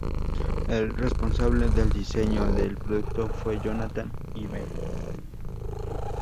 El responsable del diseño del producto fue Jonathan Ive.